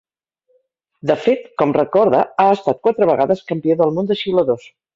De fet, com recorda, ha estat quatre vegades campió del món de xiuladors.